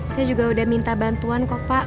saya juga sudah minta bantuan kok pak